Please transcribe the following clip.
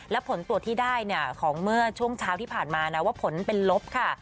และผลตรวจที่ได้เนี่ยของเมื่อช่วงเช้าที่ผ่านมานะว่าผลเป็นลบค่ะ